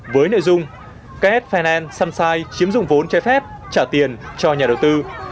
với nội dung ks finance sunshine chiếm dụng vốn trái phép trả tiền cho nhà đầu tư